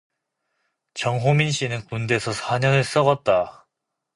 정호민 씨는 군대에서 사 년을 썩었다.